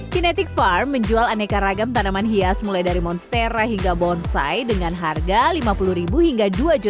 kinetic farm menjual aneka ragam tanaman hias mulai dari monstera hingga bonsai dengan harga rp lima puluh hingga rp dua